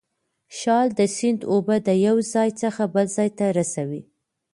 شال د سیند اوبه د یو ځای څخه بل ځای ته رسولې.